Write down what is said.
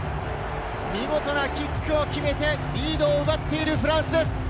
見事なキックを決めてリードを奪っているフランスです。